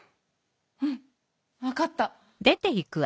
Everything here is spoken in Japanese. うん分かった。